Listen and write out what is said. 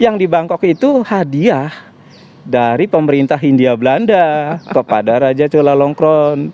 yang di bangkok itu hadiah dari pemerintah hindia belanda kepada raja cholalongkron